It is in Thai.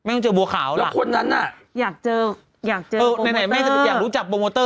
ไม่ต้องเจอบัวขาวหรอกอยากเจอโปโมเตอร์